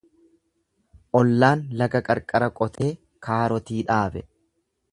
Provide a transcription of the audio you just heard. Ollaan laga qarqara qotee kaarotii dhaabe.